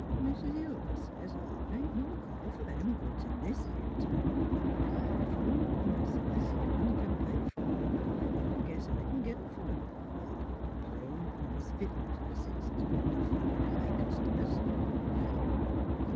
' Mis' Hill,' I sez, ' the' ain't no call for them goods in this 'ere town ; but if you want 'em,' I sez, ' 'n' c'n pay for 'em, 1 guess I e'n git 'em for you. Plain, honest vittles,' I sez, ' is good enough for the run o' my customers.'